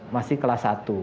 masih kelas satu